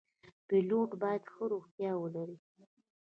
پیلوټ باید ښه روغتیا ولري.